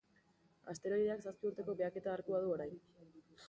Asteroideak zazpi urteko behaketa arkua du orain.